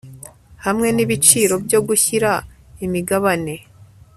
hamwe n' ibiciro byo gushyira imigabane